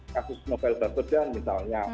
kasus novel basudan misalnya